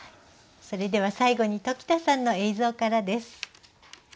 それでは最後に鴇田さんの映像からです。